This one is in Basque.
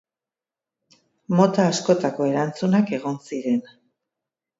Mota askotako erantzunak egon ziren.